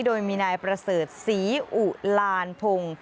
โดยมีนายประเสริฐศรีอุลานพงศ์